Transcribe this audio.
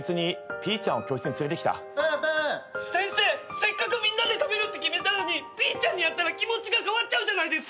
せっかくみんなで食べるって決めたのにピーちゃんに会ったら気持ちが変わっちゃうじゃないですか。